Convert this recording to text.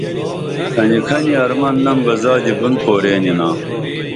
کھنی کھنی ارمن نم بہ زادی بُن پورین ینا